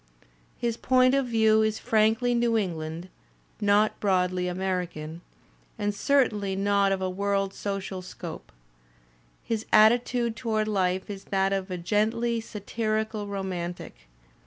His point of view is frankly New England, not broadly American, certainly not of a world social scope. His attitude toward life is that of a gently satirical romantic.